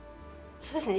そうですね。